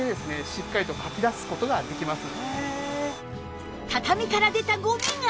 しっかりとかき出す事ができます。